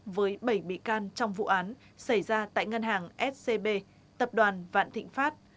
với bảy bị can trong vụ án xảy ra tại ngân hàng scb tập đoàn vạn thịnh pháp